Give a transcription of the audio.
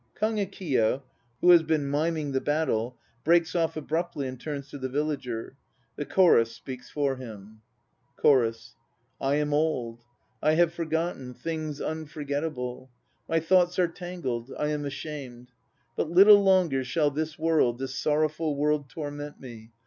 (KAGEKIYO, who has been miming the battle, breaks off abruptly and turns to the VILLAGER. The CHORUS speaks for him.) KAGEKIYO 99 CHORUS. "I am old: I have forgotten things unforgettable! My thoughts are tangled: I am ashamed. But little longer shall this world, This sorrowful world torment me.